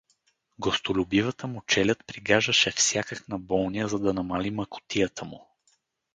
Гостолюбивата му челяд пригаждаше всякак на болния, за да намали мъкотията му.